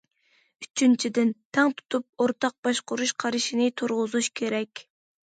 ئۈچىنچىدىن، تەڭ تۇتۇپ، ئورتاق باشقۇرۇش قارىشىنى تۇرغۇزۇش كېرەك.